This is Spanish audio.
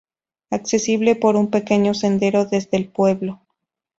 Accesible por un pequeño sendero desde el pueblo.